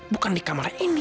bukan di kamar ini